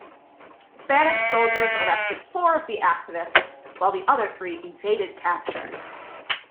Spanish soldiers arrested four of the activists while the other three evaded capture.